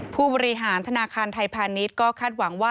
ผู้บริหารธนาคารไทยพาณิชย์ก็คาดหวังว่า